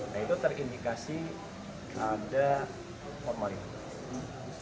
nah itu terindikasi ada formalitas